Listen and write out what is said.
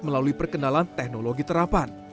melalui perkenalan teknologi terapan